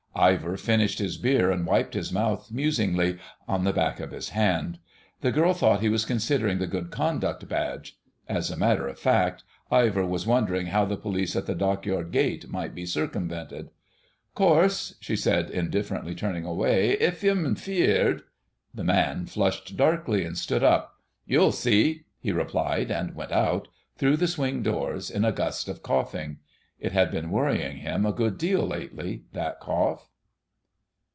Ivor finished his beer and wiped his mouth musingly on the back of his hand. The girl thought he was considering the Good Conduct Badge: as a matter of fact Ivor was wondering how the Police at the Dockyard Gate might be circumvented. "'Course," she said indifferently, turning away, "ef yu'm 'feered——" The man flushed darkly and stood up. "You'll see," he replied, and went out through the swing doors in a gust of coughing. It had been worrying him a good deal lately, that cough.